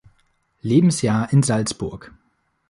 Lebensjahr in Salzburg.